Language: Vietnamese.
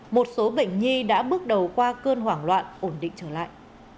một số bệnh nhi đã bước đầu qua cơn hoảng loạn ổn định trở lại